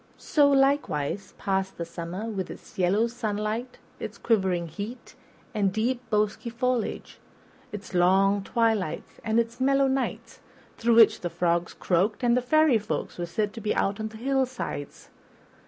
So, likewise, passed the summer with its yellow sunlight, its quivering heat and deep, bosky foliage, its long twilights and its mellow nights, through which the frogs croaked and fairy folk were said to be out on the hillsides.